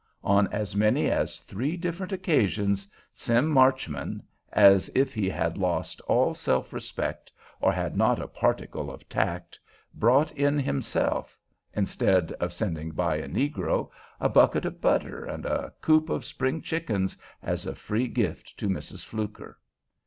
On as many as three different occasions Sim Marchman, as if he had lost all self respect, or had not a particle of tact, brought in himself, instead of sending by a negro, a bucket of butter and a coop of spring chickens as a free gift to Mrs. Fluker.